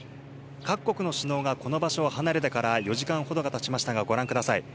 各国の首脳がこの場所を離れてから４時間ほどがたちましたが、ご覧ください。